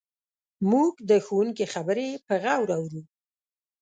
موږ د ښوونکي خبرې په غور اورو.